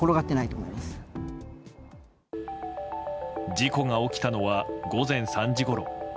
事故が起きたのは午前３時ごろ。